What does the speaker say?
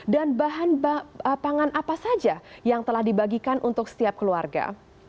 dan bahan pangan apa saja yang telah dibagikan untuk setiap keluarga